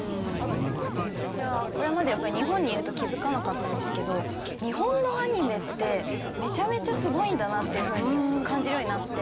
私はこれまで日本にいると気づかなかったんですけど日本のアニメってめちゃめちゃすごいんだなっていうふうに感じるようになって。